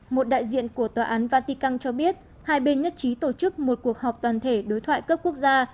một đại diện của tòa án vatican cho biết hai bên nhất trí tổ chức một cuộc họp toàn thể đối thoại cấp quốc gia